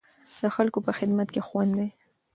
د خلکو په خدمت کې خوند دی.